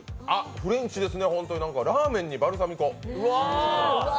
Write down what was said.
フレンチですね、ラーメンにバルサミコ。